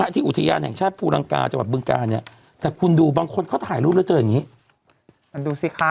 ที่อุทิยารแห่งชาบภูรังกาจังหวัดบึงกาเจอแบบนี้มันดูซิค้ะ